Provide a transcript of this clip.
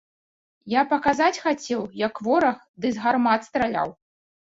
Я паказаць хацеў, як вораг ды з гармат страляў.